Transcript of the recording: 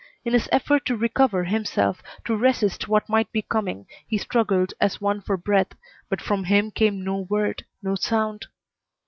In his effort to recover himself, to resist what might be coming, he struggled as one for breath, but from him came no word, no sound.